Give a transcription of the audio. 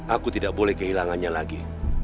aku tidak boleh kehilangannya lagi